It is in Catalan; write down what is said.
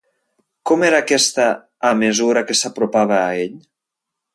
Com era aquesta a mesura que s'apropava a ell?